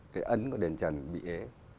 cái ấn của đền trần bị ế